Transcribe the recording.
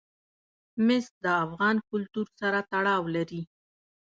مس د افغان کلتور سره تړاو لري.